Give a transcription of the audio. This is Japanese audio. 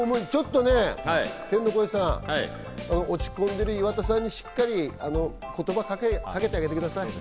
天の声さん、落ち込んでる岩田さんにしっかり言葉をかけてあげてください。